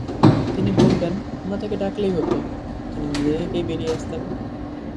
তিনি বললেন, আমরা তাঁকে ডাকলেই হতো, তিনি নিজে থেকেই বেরিয়ে আসতেন।